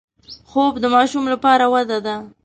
خوب د ماشوم لپاره وده ده